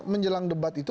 menjelang debat itu